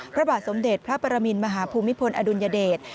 พระบาทสมเด็จพระปรมินมหาภูมิพลอดุลยเดช